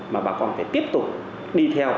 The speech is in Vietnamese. mà bà con phải tiếp tục đi theo